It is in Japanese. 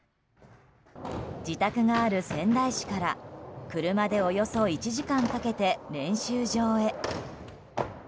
自宅がある仙台市から車でおよそ１時間かけて練習場へ。